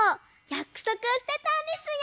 やくそくをしてたんですよ。